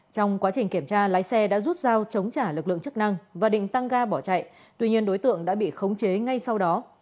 trong quá trình kiểm tra lái xe đã rút dao chống trả lực lượng chức năng và định tăng ga bỏ chạy tuy nhiên đối tượng đã bị khống chế ngay sau đó